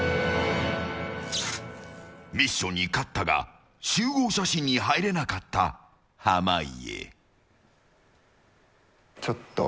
ミッションに勝ったが集合写真に入れなかった濱家。